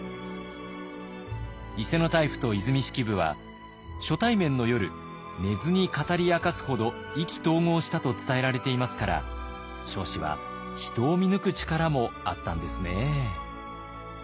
伊勢大輔と和泉式部は初対面の夜寝ずに語り明かすほど意気投合したと伝えられていますから彰子は人を見抜く力もあったんですね。